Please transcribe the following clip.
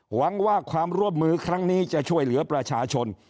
หวังว่าความร่วมมือครั้งนี้จะช่วยเหลือประชาชน